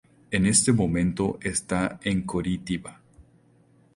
En este momento está en Coritiba.